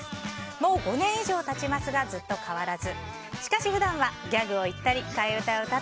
もう５年以上経ちますがずっと変わらず。